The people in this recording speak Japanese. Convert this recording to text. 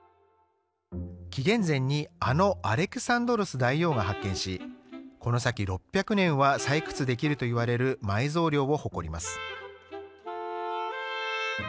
紀元前にあのアレクサンドロス大王が発見し、この先、６００年は採掘できると言われる埋蔵量を誇ります。